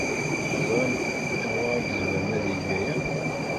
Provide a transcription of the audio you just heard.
Teẓramt anwa ay izemren ad yeg aya?